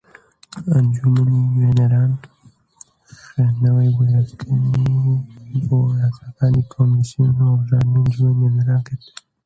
ئەنجومەنی نوێنەران خوێندنەوەی یەکەمی بۆ یاساکانی کۆمیسیۆن و ھەڵبژاردنی ئەنجومەنی نوێنەران کرد